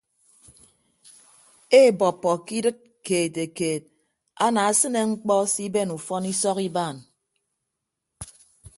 Eebọppọ ke idịt keetekeet anaasịne ñkpọ siben ufọn isọk ibaan.